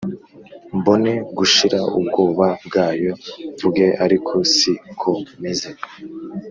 mbone gushira ubwoba bwayo mvuge ariko si ko meze